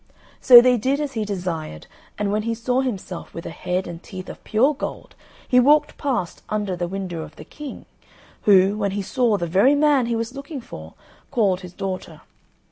So they did as he desired, and when he saw himself with a head and teeth of pure gold he walked past under the window of the King, who, when he saw the very man he was looking for, called his daughter.